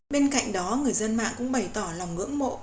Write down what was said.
bên cạnh đó người dân mạng cũng bày tỏ lòng ngưỡng mộ